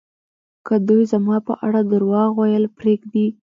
که دوی زما په اړه درواغ ویل پرېږدي